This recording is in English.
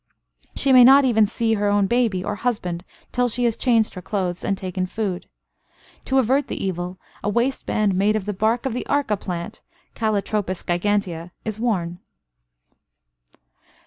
She may not even see her own baby or husband till she has changed her clothes, and taken food. To avert the evil, a waist band, made of the bark of the arka plant (Calotropis gigantea), is worn.